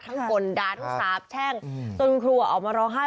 ทั้งกลด้านทุกสาบแช่งตัวลูกครูออกมาร้องไห้